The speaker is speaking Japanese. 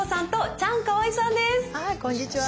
はいこんにちは。